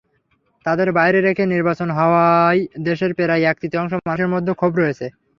তাদের বাইরে রেখে নির্বাচন হওয়ায় দেশের প্রায় এক-তৃতীয়াংশ মানুষের মধ্যে ক্ষোভ রয়েছে।